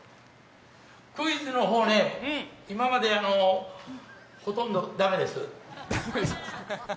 クイズの方、今までほとんど駄目です。